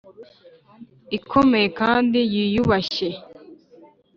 ikomeye kandi yiyubashye